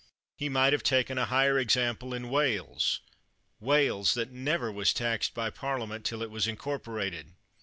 He might have taken a higher example in Wales — Wales, that never was taxed by Parliament till it was incorporated.